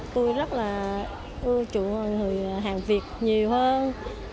tôi rất là ưa chuộng người hàng việt nhiều hơn